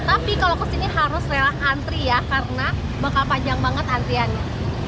tapi kalau kesini harus rela antri ya karena bakal panjang banget antriannya